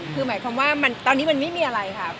คือหมายความว่าตอนนี้มันไม่มีอะไรค่ะ